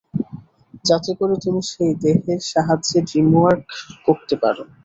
যাতে করে তুমি সেই দেহের সাহায্যে ড্রিমওয়াক করেতে পারো।